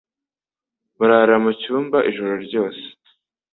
Barara mu cyumba ijoro ryose